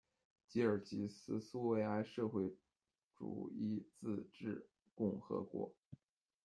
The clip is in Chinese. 吉尔吉斯苏维埃社会主义自治共和国